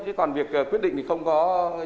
chỉ còn việc quyết định thì không có gì